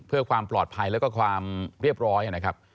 เพื่อความปลอดภัยแล้วก็ความเรียบร้อยนะครับ